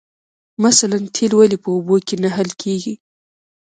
مثلاً تیل ولې په اوبو کې نه حل کیږي